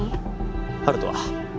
温人は？